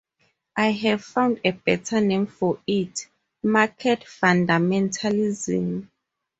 I have found a better name for it: market fundamentalism.